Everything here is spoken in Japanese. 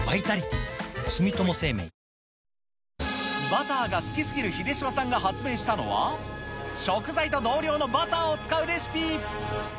バターが好きすぎる秀島さんが発明したのは、食材と同量のバターを使うレシピ。